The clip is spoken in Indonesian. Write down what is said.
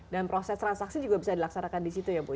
dan proses transaksi juga bisa dilaksanakan di situ ya mbak ya